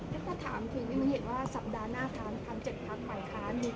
ถ้าถามคือวิวิวะเย็นว่าสัปดาห์หน้าครั้งทำ๗พักใหม่ครั้ง